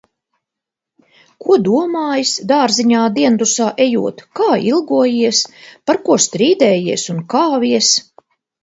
Ko domājis, dārziņā diendusā ejot, kā ilgojies. Par ko strīdējies un kāvies.